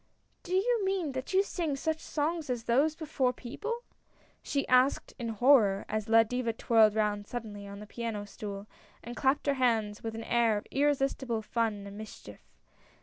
" Do you mean that you sing such songs as those before people?" she asked in horror, as La Diva twirled round suddenly on the piano stool, and clapped her hands with an air of irresistible fun and mischief.